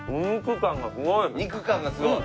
肉感がすごい？